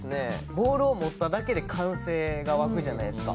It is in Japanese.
ボールを持っただけで歓声が沸くじゃないですか。